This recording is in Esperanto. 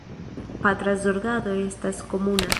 Patra zorgado estas komuna.